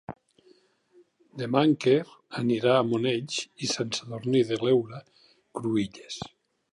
Demà en Quer anirà a Monells i Sant Sadurní de l'Heura Cruïlles.